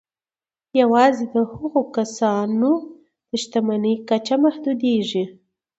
یوازې د هغو کسانو د شتمني کچه محدودېږي